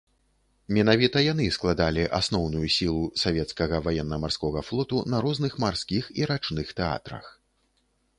Менавіта яны складалі асноўную сілу савецкага ваенна-марскога флоту на розных марскіх і рачных тэатрах.